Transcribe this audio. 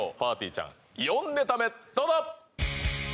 ちゃん４ネタ目どうぞ！